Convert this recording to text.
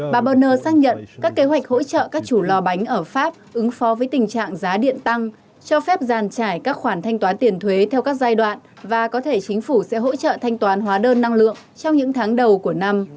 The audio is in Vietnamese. bà burner xác nhận các kế hoạch hỗ trợ các chủ lò bánh ở pháp ứng phó với tình trạng giá điện tăng cho phép giàn trải các khoản thanh toán tiền thuế theo các giai đoạn và có thể chính phủ sẽ hỗ trợ thanh toán hóa đơn năng lượng trong những tháng đầu của năm